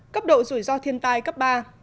cấp độ rủi ro thiên tai cấp ba